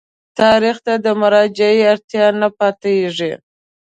تاریخ ته د مراجعې اړتیا نه پاتېږي.